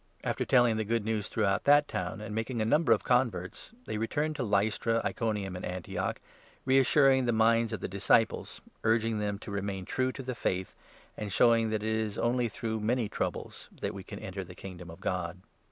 After telling the Good 21 Ba"nabas News throughout that town, and making a return number of converts, they returned to Lystra, ^AntTocn*" Iconium> a°d Antioch, reassuring the minds of 22 the disciples, urging them to remain true to the Faith, and showing that it is only through many troubles that we can enter the Kingdom of God.